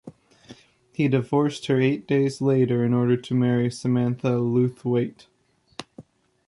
He divorced her eight days later in order to marry Samantha Lewthwaite.